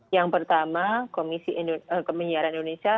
yang pertama komisi kemennyiaran indonesia